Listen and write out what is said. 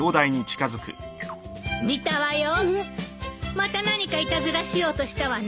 また何かいたずらしようとしたわね。